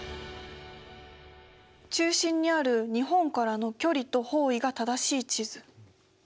中心にある日本からの距離と方位が正しい地図。